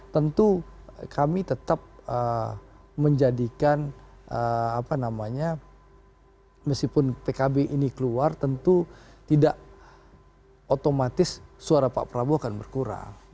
tentu kami tetap menjadikan apa namanya meskipun pkb ini keluar tentu tidak otomatis suara pak prabowo akan berkurang